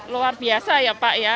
luar biasa ya pak ya